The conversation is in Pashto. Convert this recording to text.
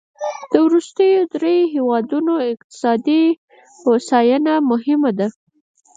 د وروستیو دریوو هېوادونو اقتصادي هوساینه مهمه ده.